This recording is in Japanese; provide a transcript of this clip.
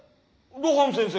露伴先生。